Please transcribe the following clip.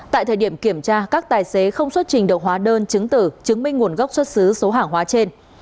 tại thời điểm kiểm tra các tài xế không xuất trình được hóa đơn chứng tử chứng minh nguồn gốc xuất xứ số hàng hóa trên